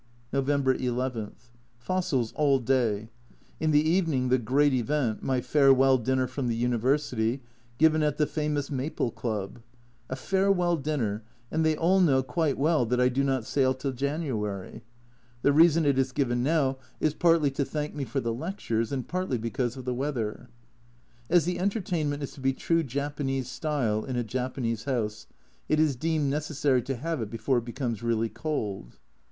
November n. Fossils all day. In the evening the great event my farewell dinner from the University, given at the famous Maple Club. A farewell dinner, and they all know quite well that I do not sail till January ! The reason it is given now is partly to 234 A Journal from Japan thank me for the lectures and partly because of the weather ! As the entertainment is to be true Japanese style, in a Japanese house, it is deemed necessary to have it before it becomes really cold.